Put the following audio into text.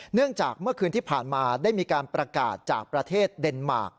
เนื่องจากเมื่อคืนที่ผ่านมาได้มีการประกาศจากประเทศเดนมาร์ค